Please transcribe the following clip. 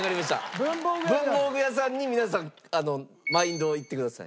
文房具屋さんに皆さんマインドをいってください。